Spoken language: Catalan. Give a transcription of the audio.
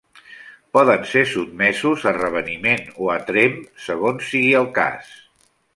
Poden ser sotmesos a reveniment o a tremp segons sigui el cas.